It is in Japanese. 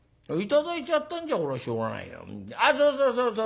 「あっそうそうそうそう」。